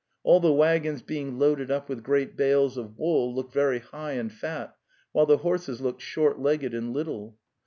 All the waggons being loaded up with great bales of wool looked very high and fat, while the horses looked short legged and little.